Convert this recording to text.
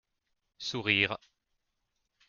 Sourires.